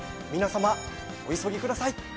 皆様お急ぎください。